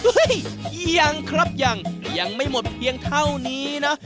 ยังครับยังยังไม่หมดเพียงเท่านี้นะ